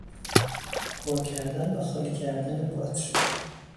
پر کردن و خالی کردن باطری